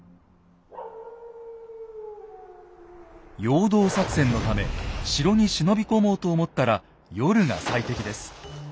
陽動作戦のため城に忍び込もうと思ったら夜が最適です。